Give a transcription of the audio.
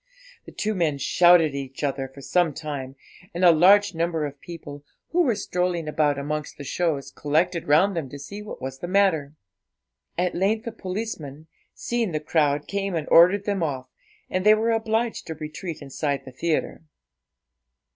The two men shouted at each other for some time, and a large number of people, who were strolling about amongst the shows, collected round them to see what was the matter. At length a policeman, seeing the crowd, came and ordered them off, and they were obliged to retreat inside the theatre.